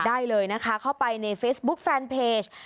ได้เลยนะคะเข้าไปในเฟซบุ๊คแฟนเพจ